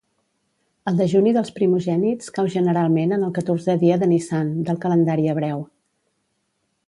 El dejuni dels primogènits cau generalment en el catorzè dia de Nissan, del calendari hebreu.